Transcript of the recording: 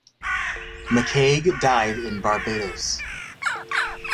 McCaig died in Barbados.